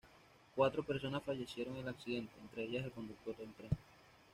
Cuatro personas fallecieron en el accidente, entre ellas el conductor del tren.